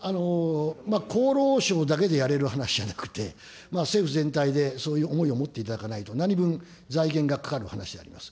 厚労省だけでやれる話ではなくて、政府全体でそういう思いを持っていただかないと、なにぶん、財源がかかる話であります。